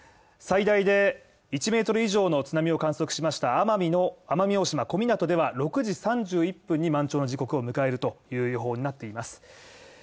最大で１ｍ以上の津波を観測しました奄美大島小湊では６時３１分に満潮の時刻を迎えるという予報になっています。